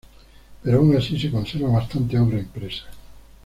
Pero aun así se conserva bastante obra impresa.